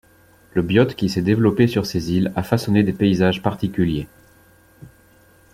Le biote qui s'est développé sur ces îles a façonné des paysages particuliers.